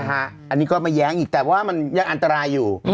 อันนี้ก็ไม่แย้งอีกแต่ว่ามันยังอันตรายอยู่